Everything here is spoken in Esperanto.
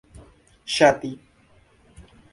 ŝati